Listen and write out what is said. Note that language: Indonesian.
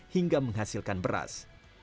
hingga menghasilkan beras